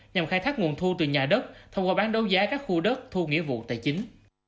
nhằm khai thác nguồn thu từ nhà đất thông qua bán đấu giá các khu đất thu nghĩa vụ tài chính